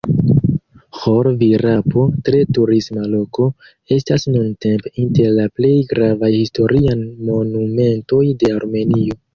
Ĥor-Virapo, tre turisma loko, estas nuntempe inter la plej gravaj historiaj monumentoj de Armenio.